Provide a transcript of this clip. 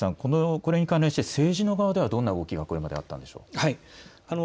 これに関連して政治の側ではどんな動きがこれまであったんでしょうか。